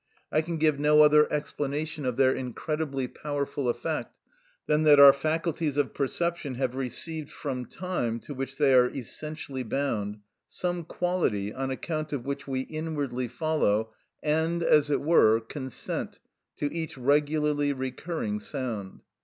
I can give no other explanation of their incredibly powerful effect than that our faculties of perception have received from time, to which they are essentially bound, some quality on account of which we inwardly follow, and, as it were, consent to each regularly recurring sound.